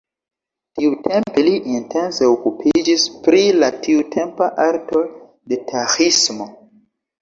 Tiutempe li intense okupiĝis pri la tiutempa arto de taĥismo.